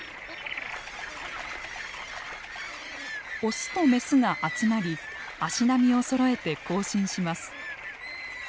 オスとメスが集まり足並みをそろえて行進します。